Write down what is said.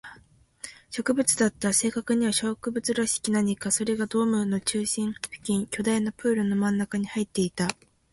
植物だった。正確には植物らしき何か。それがドームの中心付近、巨大なプールの真ん中に生えていた。